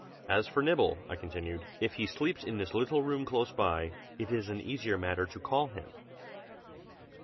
As for Nibble," I continued, "if he sleeps in this little room close by, it is an easy matter to call him.